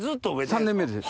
３年目です。